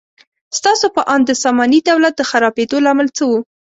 ستاسو په اند د ساماني دولت د خرابېدو لامل څه و؟